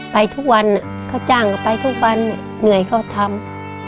ไปทุกวันจ้างไปทุกวันเหลือเขาทำ